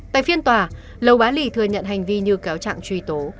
tại phiên tòa lầu bá lì thừa nhận hành vi như kéo chặng truy tố